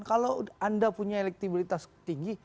kalau anda punya elektibilitas tinggi